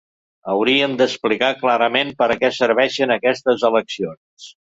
Hauríem d’explicar clarament per a què serveixen aquestes eleccions.